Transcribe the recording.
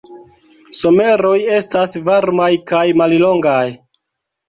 Someroj estas varmaj kaj mallongaj.